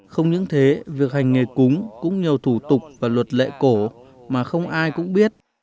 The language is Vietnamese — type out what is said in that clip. không những thế việc hành nghề cúng cũng nhờ thủ tục và luật lệ cổ mà không ai cũng biết